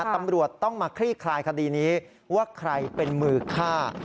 ตำรวจต้องมาคลี่คลายคดีนี้ว่าใครเป็นมือฆ่า